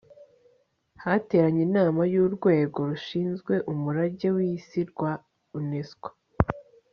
hateranye inama y'urwego rushinzwe umurage w'isi rwa unesco